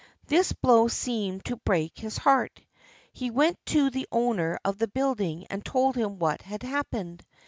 This blow seemed to break his heart. He went to the owner of the building and told him what had happened.